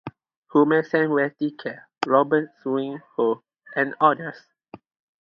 Hume, Samuel Tickell, Robert Swinhoe and others.